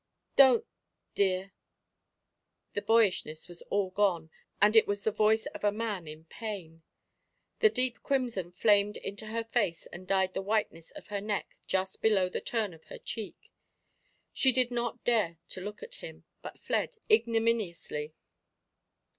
"Don't dear!" The boyishness was all gone, and it was the voice of a man in pain. The deep crimson flamed into her face and dyed the whiteness of her neck just below the turn of her cheek. She did not dare to look at him, but fled ignominiously.